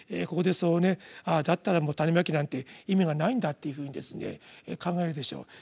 ここで「ああだったらもう種蒔きなんて意味がないんだ」っていうふうに考えるでしょう。